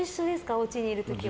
おうちにいる時は。